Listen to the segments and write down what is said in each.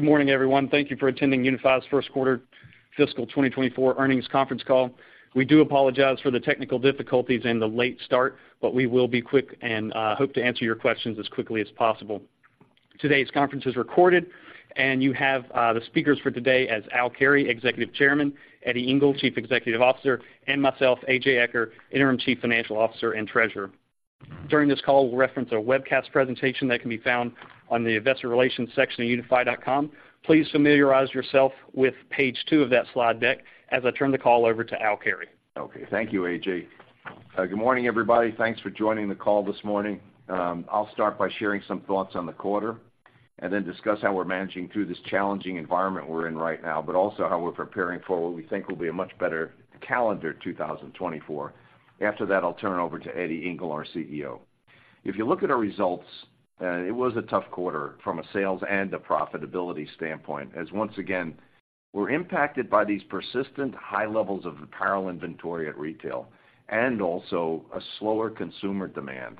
Good morning, everyone. Thank you for attending UNIFI's first quarter fiscal 2024 earnings conference call. We do apologize for the technical difficulties and the late start, but we will be quick and hope to answer your questions as quickly as possible. Today's conference is recorded. And you have the speakers for today as Al Carey, Executive Chairman, Eddie Ingle, Chief Executive Officer, and myself, A.J. Eaker, Interim Chief Financial Officer and Treasurer. During this call, we'll reference a webcast presentation that can be found on the investor relations section of unifi.com. Please familiarize yourself with page two of that slide deck as I turn the call over to Al Carey. Okay. Thank you, A.J. Good morning, everybody. Thanks for joining the call this morning. I'll start by sharing some thoughts on the quarter and then discuss how we're managing through this challenging environment we're in right now but also how we're preparing for what we think will be a much better calendar 2024. After that, I'll turn it over to Eddie Ingle, our CEO. If you look at our results, it was a tough quarter from a sales and a profitability standpoint, as once again we're impacted by these persistent high levels of apparel inventory at retail and also a slower consumer demand,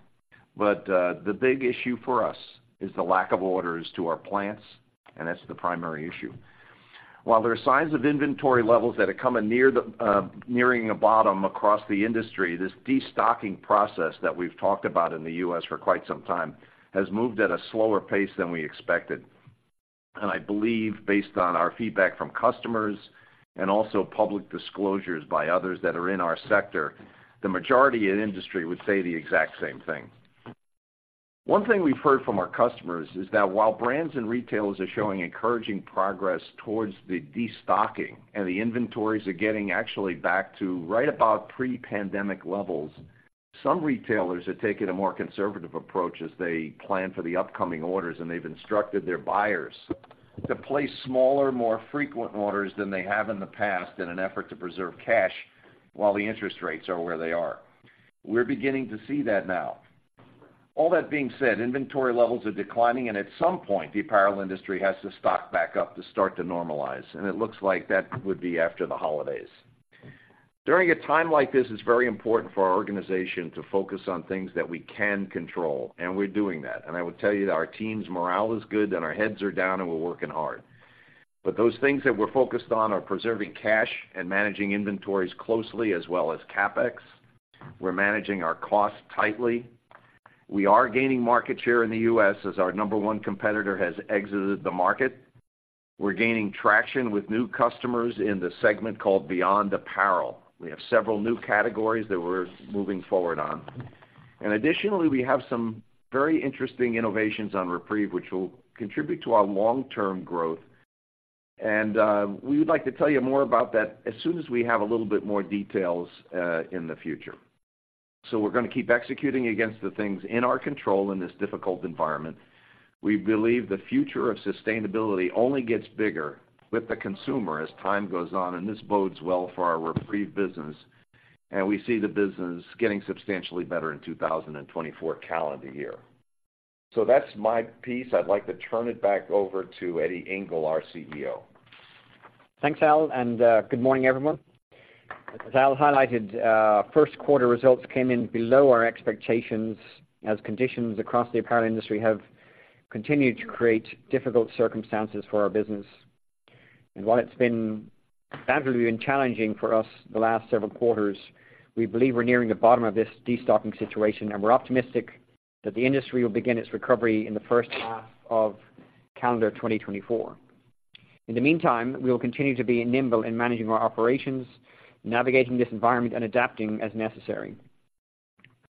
but the big issue for us is the lack of orders to our plants, and that's the primary issue. While there are signs of inventory levels that are coming near, nearing a bottom across the industry, this destocking process that we've talked about in the U.S. for quite some time has moved at a slower pace than we expected. I believe, based on our feedback from customers and also public disclosures by others that are in our sector, the majority in industry would say the exact same thing. One thing we've heard from our customers is that while brands and retailers are showing encouraging progress towards the destocking and the inventories are getting actually back to right about pre-pandemic levels, some retailers are taking a more conservative approach as they plan for the upcoming orders. They've instructed their buyers to place smaller, more frequent orders than they have in the past, in an effort to preserve cash while the interest rates are where they are. We're beginning to see that now. All that being said, inventory levels are declining, and at some point, the apparel industry has to stock back up to start to normalize, and it looks like that would be after the holidays. During a time like this, it's very important for our organization to focus on things that we can control, and we're doing that. And I would tell you that our team's morale is good, and our heads are down, and we're working hard, but those things that we're focused on are preserving cash and managing inventories closely, as well as CapEx. We're managing our costs tightly. We are gaining market share in the U.S. as our number one competitor has exited the market. We're gaining traction with new customers in the segment called beyond apparel. We have several new categories that we're moving forward on. And additionally, we have some very interesting innovations on REPREVE which will contribute to our long-term growth. And we would like to tell you more about that as soon as we have a little bit more details in the future. So we're gonna keep executing against the things in our control in this difficult environment. We believe the future of sustainability only gets bigger with the consumer as time goes on, and this bodes well for our REPREVE business, and we see the business getting substantially better in 2024 calendar year. So that's my piece. I'd like to turn it back over to Eddie Ingle, our CEO. Thanks, Al, and good morning, everyone. As Al highlighted, first quarter results came in below our expectations, as conditions across the apparel industry have continued to create difficult circumstances for our business. And while it's been challenging for us the last several quarters, we believe we're nearing a bottom of this destocking situation, and we're optimistic that the industry will begin its recovery in the first half of calendar 2024. In the meantime, we will continue to be nimble in managing our operations, navigating this environment and adapting as necessary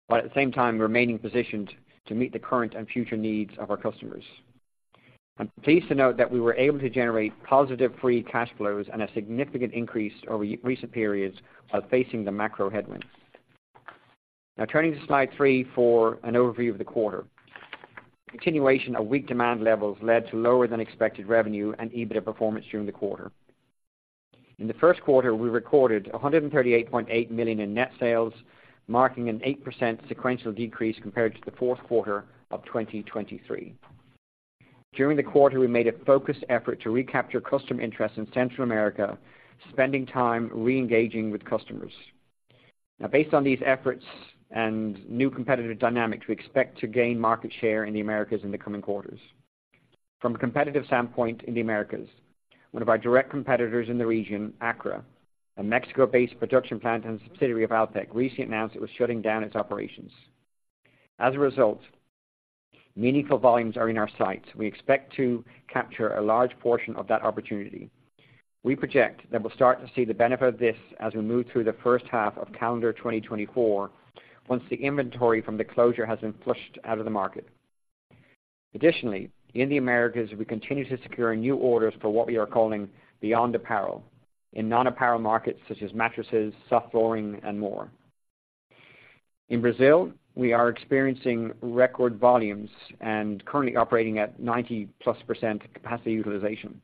while, at the same time, remaining positioned to meet the current and future needs of our customers. I'm pleased to note that we were able to generate positive free cash flows and a significant increase over recent periods facing the macro headwinds. Now turning to slide three for an overview of the quarter. Continuation of weak demand levels led to lower-than-expected revenue and EBITDA performance during the quarter. In the first quarter, we recorded $138.8 million in net sales, marking an 8% sequential decrease compared to the fourth quarter of 2023. During the quarter, we made a focused effort to recapture customer interest in Central America, spending time reengaging with customers. Now based on these efforts and new competitive dynamics, we expect to gain market share in the Americas in the coming quarters. From a competitive standpoint, in the Americas, one of our direct competitors in the region, Akra, a Mexico-based production plant and subsidiary of Alpek, recently announced it was shutting down its operations. As a result, meaningful volumes are in our sights. We expect to capture a large portion of that opportunity. We project that we'll start to see the benefit of this as we move through the first half of calendar 2024, once the inventory from the closure has been flushed out of the market. Additionally, in the Americas, we continue to secure new orders for what we are calling beyond apparel in non-apparel markets such as mattresses, soft flooring, and more. In Brazil, we are experiencing record volumes and currently operating at 90%+ capacity utilization.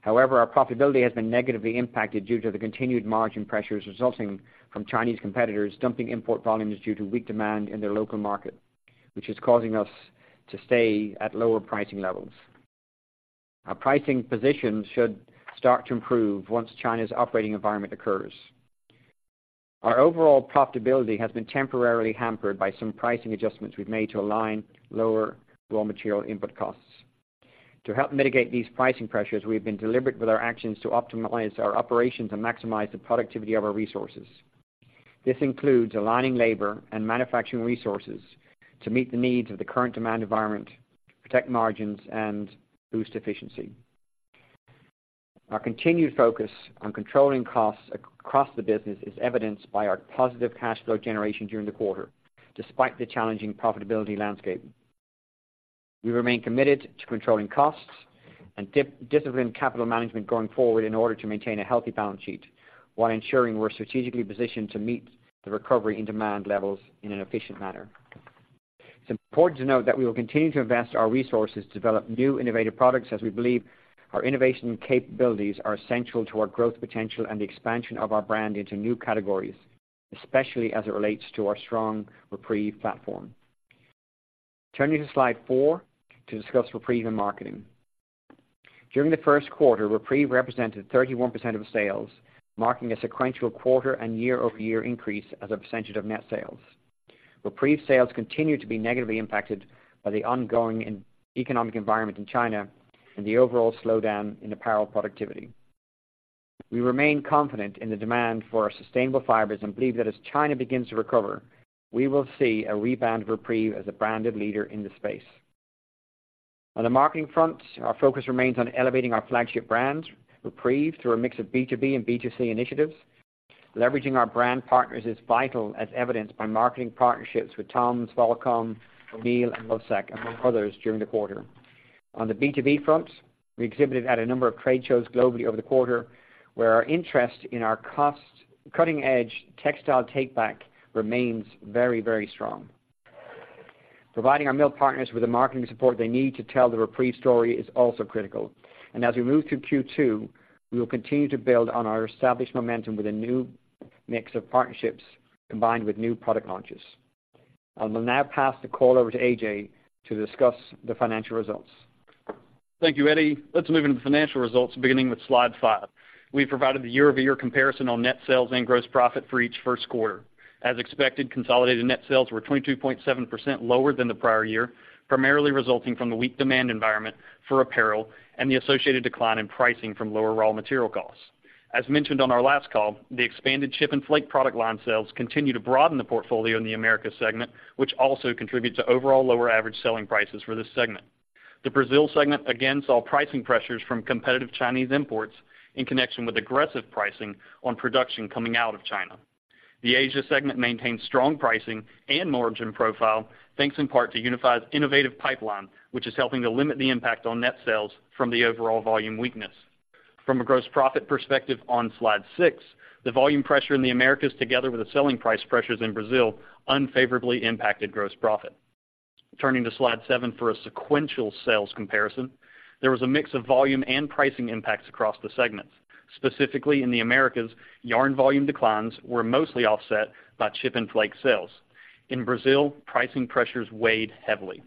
However, our profitability has been negatively impacted due to the continued margin pressures resulting from Chinese competitors dumping import volumes due to weak demand in their local market, which is causing us to stay at lower pricing levels. Our pricing position should start to improve once China's operating environment occurs. Our overall profitability has been temporarily hampered by some pricing adjustments we've made to align lower raw material input costs. To help mitigate these pricing pressures, we've been deliberate with our actions to optimize our operations and maximize the productivity of our resources. This includes aligning labor and manufacturing resources to meet the needs of the current demand environment, protect margins, and boost efficiency. Our continued focus on controlling costs across the business is evidenced by our positive cash flow generation during the quarter despite the challenging profitability landscape. We remain committed to controlling costs and disciplined capital management going forward in order to maintain a healthy balance sheet while ensuring we're strategically positioned to meet the recovery in demand levels in an efficient manner. It's important to note that we will continue to invest our resources to develop new innovative products, as we believe our innovation capabilities are essential to our growth potential and the expansion of our brand into new categories, especially as it relates to our strong REPREVE platform. Turning to slide four to discuss REPREVE and marketing. During the first quarter, REPREVE represented 31% of sales, marking a sequential quarter and year-over-year increase as a percentage of net sales. REPREVE sales continue to be negatively impacted by the ongoing and economic environment in China and the overall slowdown in apparel productivity. We remain confident in the demand for our sustainable fibers and believe that, as China begins to recover, we will see a rebound of REPREVE as a branded leader in the space. On the marketing front, our focus remains on elevating our flagship brand, REPREVE, through a mix of B2B and B2C initiatives. Leveraging our brand partners is vital, as evidenced by marketing partnerships with TOMS, Volcom, O'Neill, and The Sak, among others, during the quarter. On the B2B front, we exhibited at a number of trade shows globally over the quarter, where our interest in our cutting-edge Textile Takeback remains very, very strong. Providing our mill partners with the marketing support they need to tell the REPREVE story is also critical. As we move through Q2, we will continue to build on our established momentum with a new mix of partnerships, combined with new product launches. I will now pass the call over to A.J. to discuss the financial results. Thank you, Eddie. Let's move into the financial results, beginning with slide five. We provided the year-over-year comparison on net sales and gross profit for each first quarter. As expected, consolidated net sales were 22.7% lower than the prior year, primarily resulting from the weak demand environment for apparel and the associated decline in pricing from lower raw material costs. As mentioned on our last call, the expanded Chip and Flake product line sales continue to broaden the portfolio in the Americas segment, which also contribute to overall lower average selling prices for this segment. The Brazil segment again saw pricing pressures from competitive Chinese imports in connection with aggressive pricing on production coming out of China. The Asia segment maintained strong pricing and margin profile, thanks in part to UNIFI's innovative pipeline, which is helping to limit the impact on net sales from the overall volume weakness. From a gross profit perspective, on slide six, the volume pressure in the Americas, together with the selling price pressures in Brazil, unfavorably impacted gross profit. Turning to slide seven for a sequential sales comparison: There was a mix of volume and pricing impacts across the segments. Specifically, in the Americas, yarn volume declines were mostly offset by Chip and Flake sales. In Brazil, pricing pressures weighed heavily.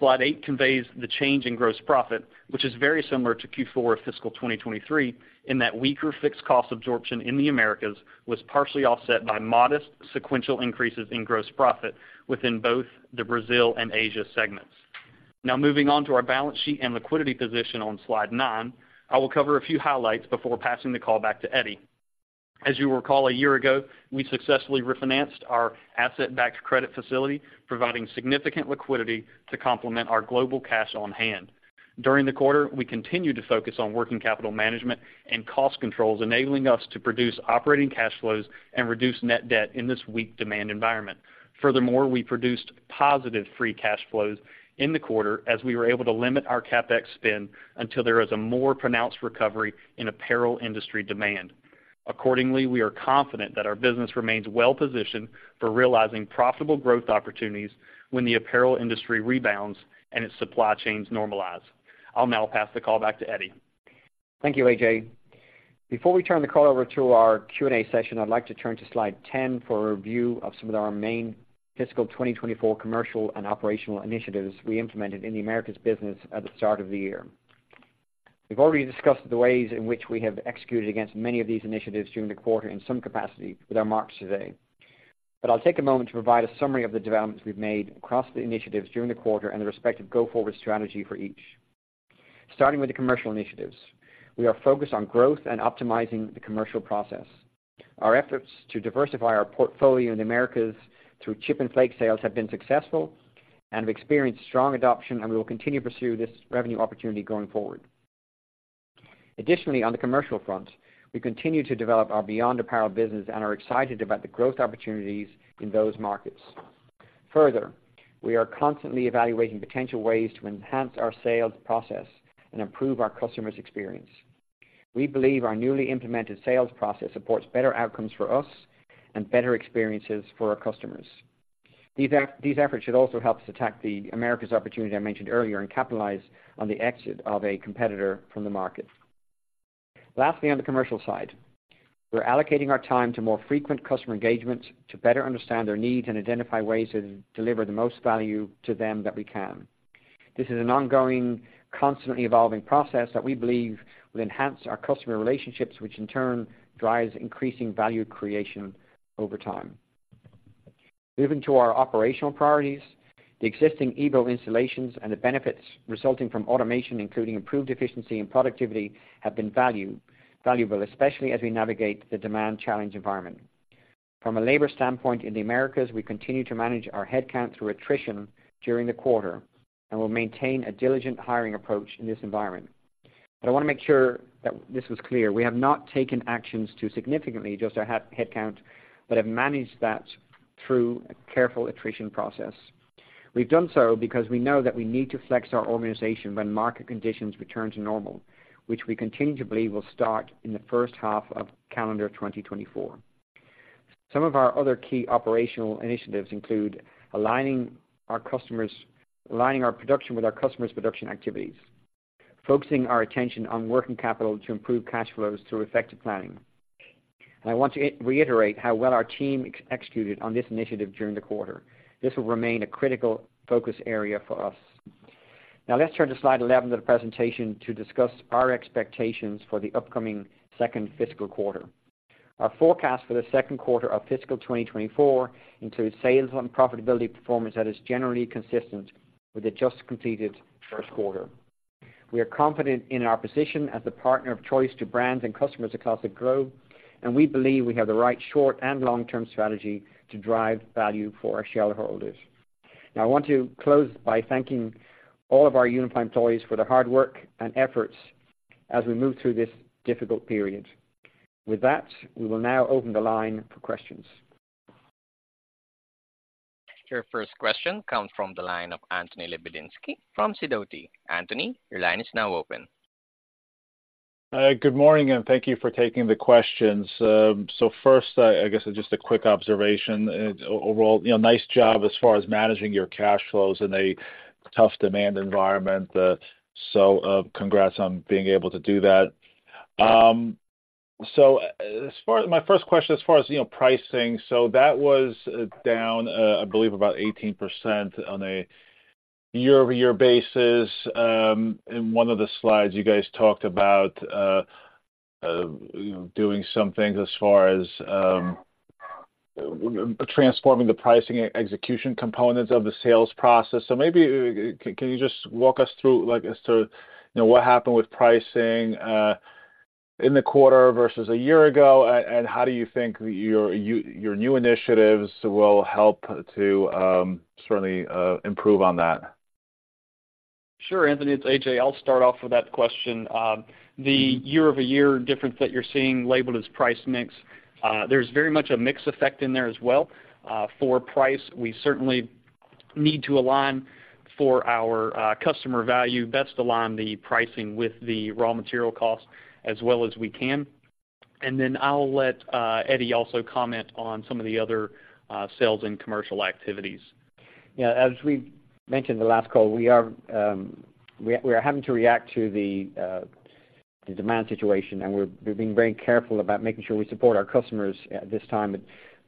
Slide eight conveys the change in gross profit which is very similar to Q4 of fiscal 2023, in that weaker fixed cost absorption in the Americas was partially offset by modest sequential increases in gross profit within both the Brazil and Asia segments. Now moving on to our balance sheet and liquidity position, on slide nine, I will cover a few highlights before passing the call back to Eddie. As you recall, a year ago, we successfully refinanced our asset-backed credit facility, providing significant liquidity to complement our global cash on hand. During the quarter, we continued to focus on working capital management and cost controls, enabling us to produce operating cash flows and reduce net debt in this weak demand environment. Furthermore, we produced positive free cash flows in the quarter as we were able to limit our CapEx spend until there is a more pronounced recovery in apparel industry demand. Accordingly, we are confident that our business remains well positioned for realizing profitable growth opportunities when the apparel industry rebounds and its supply chains normalize. I'll now pass the call back to Eddie. Thank you, A.J. Before we turn the call over to our Q&A session, I'd like to turn to slide 10 for a review of some of our main fiscal 2024 commercial and operational initiatives we implemented in the Americas business at the start of the year. We've already discussed the ways in which we have executed against many of these initiatives during the quarter in some capacity with our remarks today. I'll take a moment to provide a summary of the developments we've made across the initiatives during the quarter and the respective go-forward strategy for each. Starting with the commercial initiatives. We are focused on growth and optimizing the commercial process. Our efforts to diversify our portfolio in the Americas through Chip and Flake sales have been successful and have experienced strong adoption, and we will continue to pursue this revenue opportunity going forward. Additionally, on the commercial front, we continue to develop our beyond apparel business and are excited about the growth opportunities in those markets. Further, we are constantly evaluating potential ways to enhance our sales process and improve our customers' experience. We believe our newly implemented sales process supports better outcomes for us and better experiences for our customers. These efforts should also help us attack the Americas opportunities I mentioned earlier and capitalize on the exit of a competitor from the market. Lastly, on the commercial side, we're allocating our time to more frequent customer engagements to better understand their needs and identify ways to deliver the most value to them that we can. This is an ongoing, constantly evolving process that we believe will enhance our customer relationships, which in turn drives increasing value creation over time. Moving to our operational priorities. The existing Evo installations and the benefits resulting from automation, including improved efficiency and productivity, have been valuable, especially as we navigate the demand-challenged environment. From a labor standpoint, in the Americas, we continued to manage our headcount through attrition during the quarter and will maintain a diligent hiring approach in this environment, but I want to make sure that this was clear. We have not taken actions to significantly adjust our headcount but have managed that through a careful attrition process. We've done so because we know that we need to flex our organization when market conditions return to normal, which we continually believe will start in the first half of calendar 2024. Some of our other key operational initiatives include aligning our production with our customers' production activities, focusing our attention on working capital to improve cash flows through effective planning. I want to reiterate how well our team executed on this initiative during the quarter. This will remain a critical focus area for us. Now let's turn to slide 11 of the presentation to discuss our expectations for the upcoming second fiscal quarter. Our forecast for the second quarter of fiscal 2024 includes sales and profitability performance that is generally consistent with the just completed first quarter. We are confident in our position as a partner of choice to brands and customers across the globe, and we believe we have the right short- and long-term strategy to drive value for our shareholders. Now I want to close by thanking all of our UNIFI employees for their hard work and efforts as we move through this difficult period. With that, we will now open the line for questions. Your first question comes from the line of Anthony Lebiedzinski from Sidoti. Anthony, your line is now open. Good morning, and thank you for taking the questions. So first, I guess, just a quick observation. Overall, you know, nice job as far as managing your cash flows in a tough demand environment. So congrats on being able to do that. My first question, as far as, you know, pricing. So that was down, I believe, about 18% on a year-over-year basis. In one of the slides, you guys talked about doing some things, as far as transforming the pricing execution components of the sales process. So maybe can you just walk us through, like, as to, you know, what happened with pricing in the quarter versus a year ago? And how do you think your new initiatives will help to certainly improve on that? Sure, Anthony. It's A.J. I'll start off with that question. The year-over-year difference that you're seeing labeled as price/mix, there's very much a mix effect in there as well. For price, we certainly need to align for our customer value, best align the pricing with the raw material cost as well as we can. And then I'll let Eddie also comment on some of the other sales and commercial activities. Yeah. As we mentioned in the last call, we are having to react to the demand situation, and we're being very careful about making sure we support our customers at this time.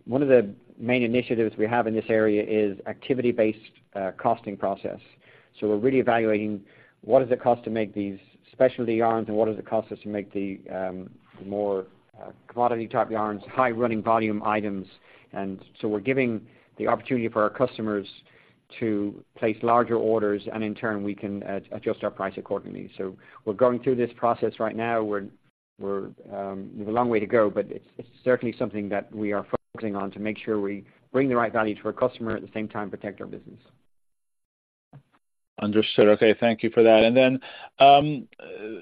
One of the main initiatives we have in this area is activity-based costing process. So we're really evaluating what does it cost to make these specialty yarns; and what does it cost us to make the more commodity-type yarns, high-running-volume items. And so we're giving the opportunity for our customers to place larger orders, and in turn, we can adjust our price accordingly. So we're going through this process right now. We have a long way to go, but it's certainly something that we are focusing on to make sure we bring the right value to our customer, at the same time, protect our business. Understood. Okay, thank you for that. Then,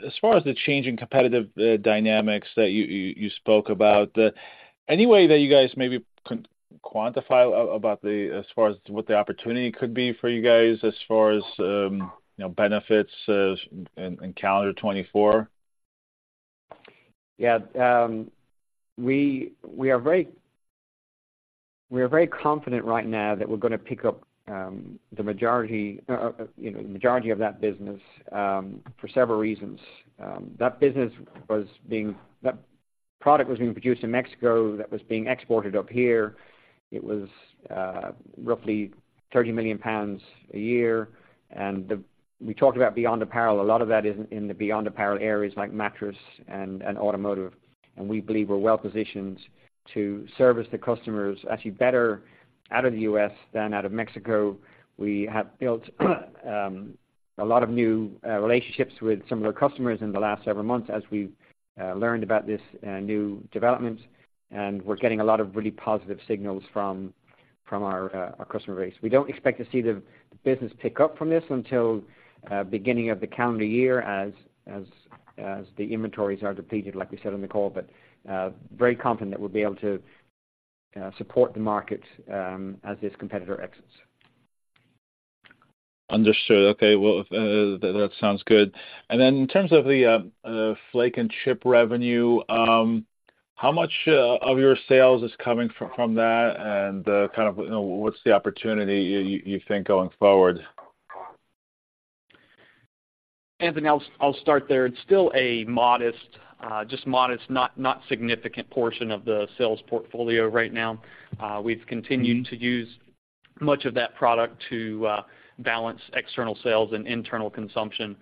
as far as the change in competitive dynamics that you spoke about, any way that you guys maybe could quantify about the as far as what the opportunity could be for you guys, as far as, you know, benefits in calendar 2024? Yeah. We are very confident right now that we're going to pick up the majority, you know, majority of that business, for several reasons. That business was being, that product was being produced in Mexico. That was being exported up here. It was roughly 30 million pounds a year. And we talked about beyond apparel. A lot of that is in the beyond apparel areas, like mattress and automotive. And we believe we're well positioned to service the customers actually better out of the U.S. than out of Mexico. We have built a lot of new relationships with some of our customers in the last several months as we learned about this new development, and we're getting a lot of really positive signals from our customer base. We don't expect to see the business pick up from this until beginning of the calendar year, as the inventories are depleted, like we said on the call, but very confident that we'll be able to support the market as this competitor exits. Understood. Okay, well, that sounds good. And then in terms of the Flake and Chip revenue, how much of your sales is coming from that? And kind of, you know, what's the opportunity you think going forward? Anthony, I'll start there. It's still a modest, just modest, not significant, portion of the sales portfolio right now. We've continued to use much of that product to balance external sales and internal consumption,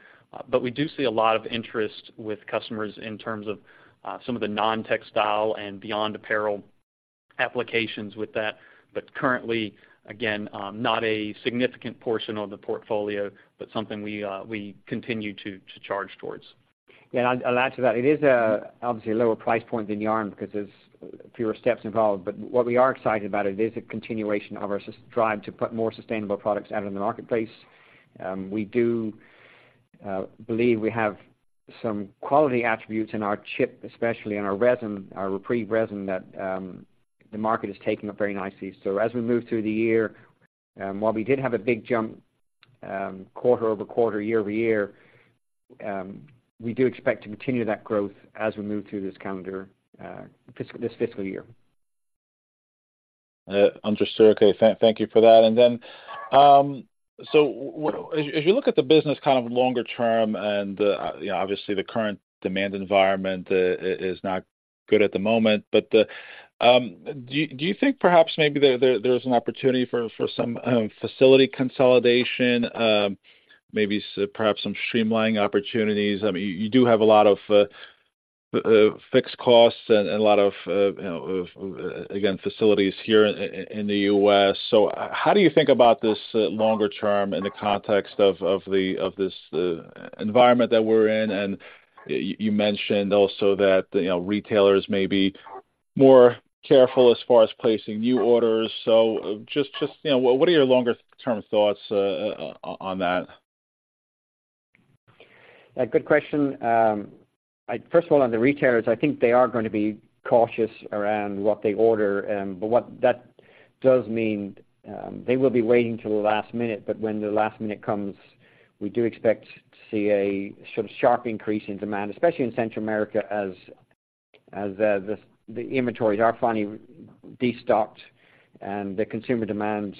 but we do see a lot of interest with customers in terms of some of the non-textile and beyond apparel applications with that. But currently, again, not a significant portion of the portfolio but something we continue to charge towards. Yeah, and I'll add to that. It is, obviously, a lower price point than yarn because there's fewer steps involved, but what we are excited about, it is a continuation of our drive to put more sustainable products out in the marketplace. We do believe we have some quality attributes in our Chip, especially in our resin, our REPREVE resin, that the market is taking up very nicely. So as we move through the year, while we did have a big jump quarter-over-quarter, year-over-year, we do expect to continue that growth as we move through this calendar, this fiscal year. Understood. Okay, thank you for that. And then so if you look at the business kind of longer term and, you know, obviously, the current demand environment is not good at the moment, but do you think perhaps maybe there's an opportunity for some facility consolidation, maybe perhaps some streamlining opportunities? I mean you do have a lot of fixed costs and a lot of, you know, of, again, facilities here in the U.S., so how do you think about this longer term in the context of this environment that we're in? And you mentioned also that, you know, retailers may be more careful as far as placing new orders, so just, you know, what are your longer-term thoughts on that? A good question. First of all, on the retailers, I think they are going to be cautious around what they order, but what that does mean, they will be waiting till the last minute, but when the last minute comes, we do expect to see a sort of sharp increase in demand, especially in Central America, as the inventories are finally destocked and the consumer demand,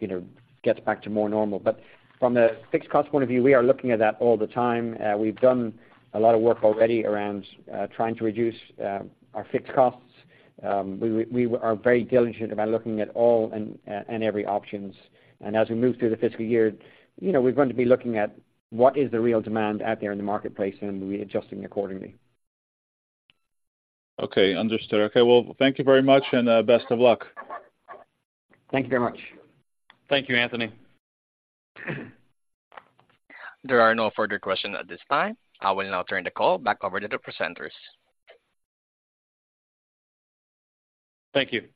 you know, gets back to more normal. But from a fixed cost point of view, we are looking at that all the time. We've done a lot of work already around trying to reduce our fixed costs. We are very diligent about looking at all and every options. As we move through the fiscal year, you know, we're going to be looking at what is the real demand out there in the marketplace, and we'll be adjusting accordingly. Okay, understood. Okay, well, thank you very much, and best of luck. Thank you very much. Thank you, Anthony. There are no further questions at this time. I will now turn the call back over to the presenters. Thank you.